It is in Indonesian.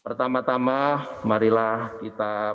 pertama tama marilah kita